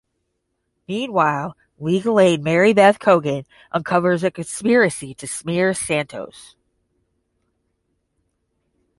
Meanwhile, legal aid Marybeth Cogan uncovers a conspiracy to smear Santos.